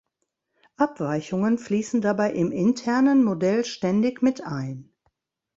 Abweichungen fließen dabei im internen Modell ständig mit ein.